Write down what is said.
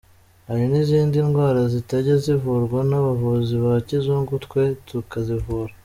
Hari n’izindi ndwara zitajya zivurwa n’abavuzi ba kizungu twe tukazivura.